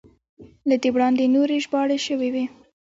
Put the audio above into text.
له دې وړاندې نورې ژباړې شوې وې.